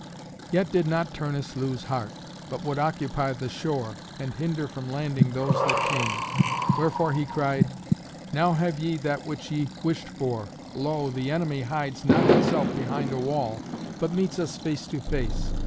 Yet did not Turnus lose heart, but would occupy the shore, and hinder from landing those that came. Wherefore he cried, "Now have ye that which ye wished for. Lo! the enemy hides not himself behind a wall, but meets us face to face.